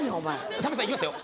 さんまさんいきますよ